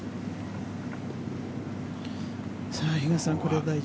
比嘉さん、これが大事。